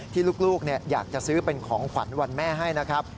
ที่ลูกอยากจะซื้อเป็นของขวัญวันแม่ให้นะครับ